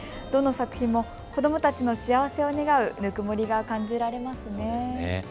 どの作品も子どもたちの幸せを願うぬくもりが感じられますね。